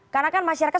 karena kan masyarakat